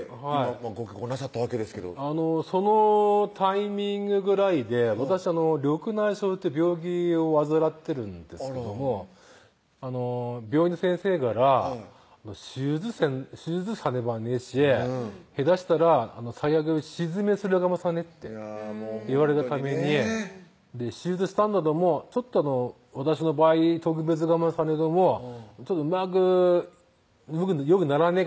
ご結婚なさったわけですけどそのタイミングぐらいで私緑内障っていう病気を患ってるんですけども病院の先生から「手術さねばねぇし」「下手したら最悪失明するかもしらね」って言われたために手術したんだどもちょっと私の場合特別かもわかんねどもうまくよぐならね